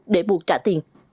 để buộc trả tiền